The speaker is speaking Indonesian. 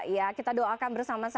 ya kita doakan bersama sama